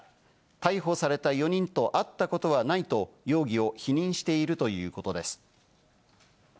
逮捕された４人と会ったことはないと容疑を否認しているということです。